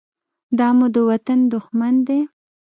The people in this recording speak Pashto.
دا مو د وطن دښمن دى.